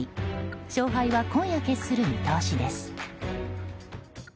勝敗は今夜決する見通しです。